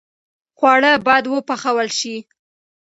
خواړه باید وپوښل شي.